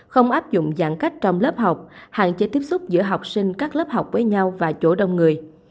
không áp dụng giãn cách trong lớp học hạn chế tiếp xúc giữa học sinh các lớp học với nhau và chỗ đông người